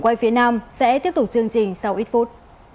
quay phía nam sẽ tiếp tục chương trình sau ít phút